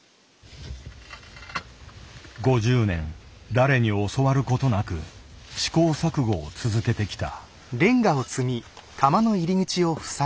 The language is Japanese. ５０年誰に教わることなく試行錯誤を続けてきた。